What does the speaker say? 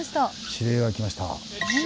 指令が来ました。